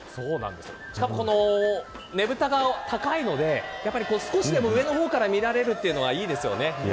ねぶたが高いので少しでも上の方から見られるのがいいですよね。